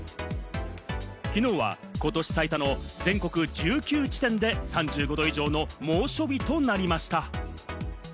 きのうはことし最多の全国１９地点で３５度以上の猛暑日となりました。